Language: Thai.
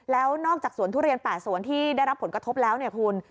แล้วนอกจากสวนทุเรียน๘สวนที่ได้รับผลกระทบแล้วเนี่ยคุณ